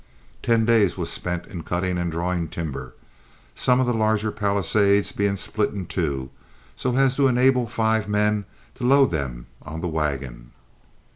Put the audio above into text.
Ten days were spent in cutting and drawing timber, some of the larger palisades being split in two so as to enable five men to load them on the wagon.